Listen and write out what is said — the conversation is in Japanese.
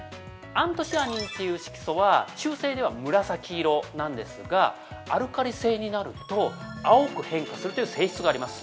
アントシアニンという色素は中性では紫色なんですがアルカリ性になると青く変化するという性質があります。